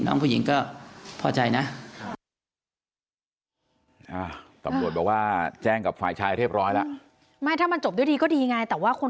น้องผู้หญิงก็พอใจนะ